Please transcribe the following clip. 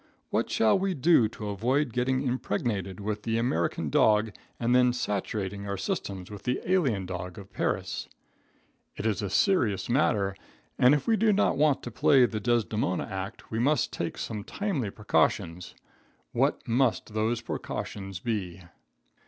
What shall we do to avoid getting impregnated with the American dog and then saturating our systems with the alien dog of Paris? It is a serious matter, and if we do not want to play the Desdemona act we must take some timely precautions. What must those precautions be?